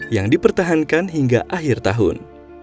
yang dipertahankan hingga akhir tahun